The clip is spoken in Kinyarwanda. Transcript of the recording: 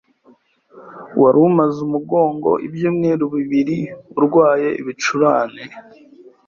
Wari umaze umugongo ibyumweru bibiri urwaye ibicurane.